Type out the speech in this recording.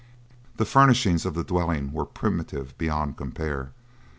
The furnishings of the dwelling were primitive beyond compare.